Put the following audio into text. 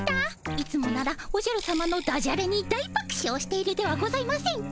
いつもならおじゃるさまのダジャレに大ばくしょうしているではございませんか。